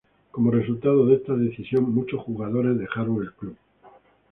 Como resultado de esta decisión, muchos jugadores dejaron el club.